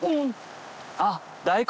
あっ大根。